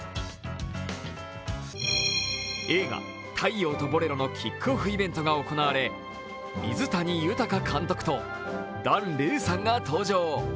映画「太陽とボレロ」のキックオフイベントが行われ、水谷豊監督と檀れいさんが登場。